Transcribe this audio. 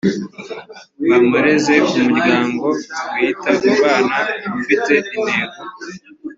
bamporeze nk umuryango wita ku bana ufite intego